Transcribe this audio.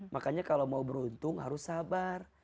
makanya kalau mau beruntung harus sabar